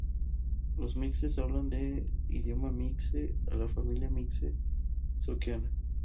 Los mixes hablan el idioma mixe, de la familia mixe-zoqueana.